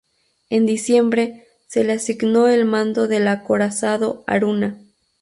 En diciembre, se le asignó el mando del acorazado "Haruna".